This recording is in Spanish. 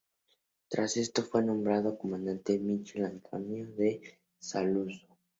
Tras esto, fue nombrado comandante Michele Antonio de Saluzzo.